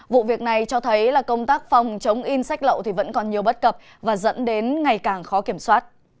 vụ việc này cho thấy công tác phòng chống in sách lậu vẫn còn nhiều bất cập và dẫn đến ngày càng khó kiểm soát